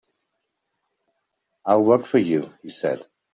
"I'll work for you," he said.